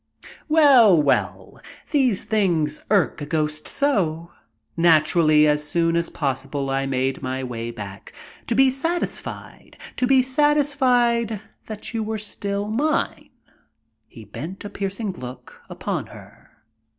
"Well, well, these things irk a ghost so. Naturally, as soon as possible I made my way back to be satisfied to be satisfied that you were still mine." He bent a piercing look upon her.